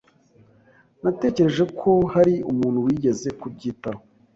Natekereje ko hari umuntu wigeze kubyitaho.